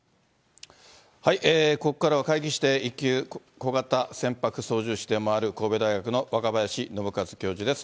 ここからは海技士で、一級小型船舶操縦士でもある、神戸大学の若林伸和教授です。